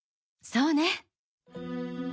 そうね。